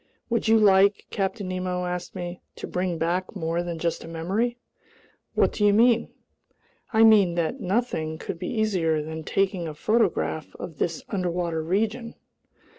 "Would you like," Captain Nemo asked me, "to bring back more than just a memory?" "What do you mean?" "I mean that nothing could be easier than taking a photograph of this underwater region!"